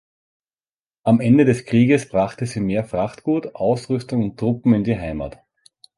Am Ende des Krieges brachte sie mehr Frachtgut, Ausrüstung und Truppen in die Heimat.